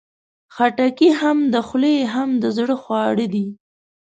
خټکی هم د خولې، هم د زړه خواړه دي.